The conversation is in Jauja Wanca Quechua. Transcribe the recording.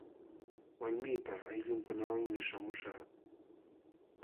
Walmiipaq ayllunkunawanmi śhamuśhaq.